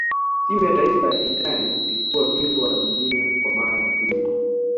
timu ya taifa ya italia ilikuwa bingwa wa dunia kwa mara ya pili